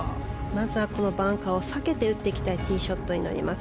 まずはこのバンカーを避けて打っていきたいティーショットになります。